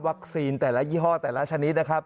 แต่ละยี่ห้อแต่ละชนิดนะครับ